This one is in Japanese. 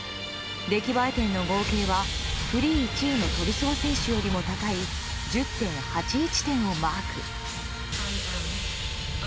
出来栄え点の合計はフリー１位のトゥルソワ選手よりも高い１０．８１点をマーク。